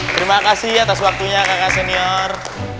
terima kasih atas waktunya kakak senior